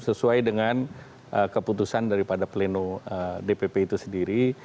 sesuai dengan keputusan daripada pleno dpp itu sendiri